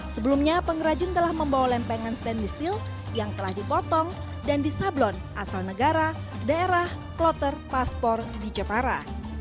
sebelumnya pengrajin telah membawa lempengan stainless steel yang telah dipotong dan disablon asal negara daerah kloter paspor di jepara